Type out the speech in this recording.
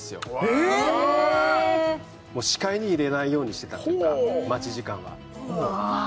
えっもう視界に入れないようにしてたっていうか待ち時間はうわ